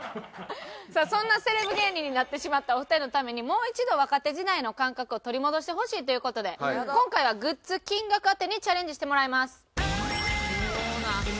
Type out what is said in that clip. さあそんなセレブ芸人になってしまったお二人のためにもう一度若手時代の感覚を取り戻してほしいという事で今回はグッズ金額当てにチャレンジしてもらいます。